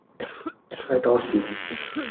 西多士